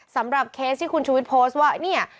สำหรับเคสที่คุณชูวิทโพสต์ว่า